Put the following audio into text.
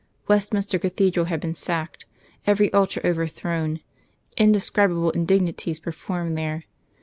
Westminster Cathedral had been sacked, every altar overthrown, indescribable indignities performed there.